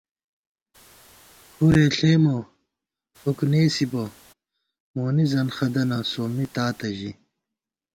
کھُرے ݪېمہ فُک نېسِبہ مونی ځنخَدَنہ سومّی تاتہ ژِی